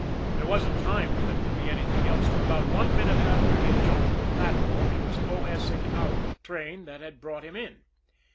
There wasn't time for them to be anything else; for, about one minute after he had jumped to the platform, he was O.S. ing "out" the train that had brought him in.